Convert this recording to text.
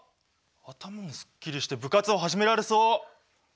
頭もすっきりして部活を始められそう。